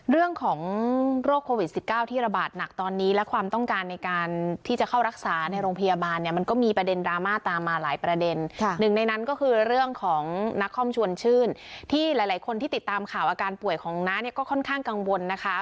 เรื่องของโรคโควิด๑๙ที่ระบาดหนักตอนนี้และความต้องการในการที่จะเข้ารักษาในโรงพยาบาลเนี่ยมันก็มีประเด็นดราม่าตามมาหลายประเด็นหนึ่งในนั้นก็คือเรื่องของนักคอมชวนชื่นที่หลายหลายคนที่ติดตามข่าวอาการป่วยของน้าเนี่ยก็ค่อนข้างกังวลนะคะ